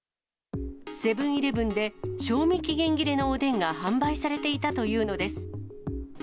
セブンーイレブンで賞味期限切れのおでんが販売されていたというのです。